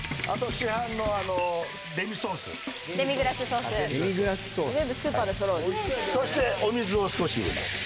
市販のデミソースデミグラスソース全部スーパーでそろうそしてお水を少し入れます